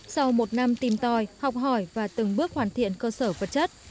sau một năm tìm tòi học hỏi và từng bước hoàn thiện cơ sở vật chất